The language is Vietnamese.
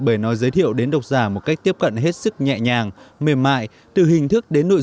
bệ nói giới thiệu đến độc giả một cách tiếp cận hết sức nhẹ nhàng mềm mại từ hình thức đến nội